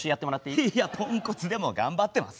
いやポンコツでも頑張ってます！